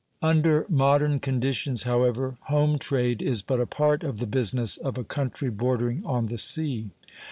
Under modern conditions, however, home trade is but a part of the business of a country bordering on the sea.